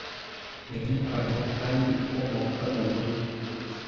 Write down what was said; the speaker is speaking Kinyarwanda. wimukanwa kandi ukomoka mu buryo